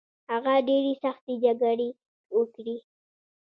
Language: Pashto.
هغه ډیرې سختې جګړې وکړې